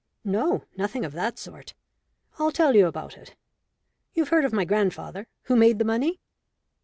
"No, nothing of that sort. I'll tell you about it. You've heard of my grandfather who made the money?"